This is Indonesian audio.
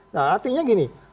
nah artinya gini